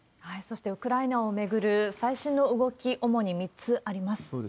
そして、ウクライナを巡る最新の動き、主に３つあります。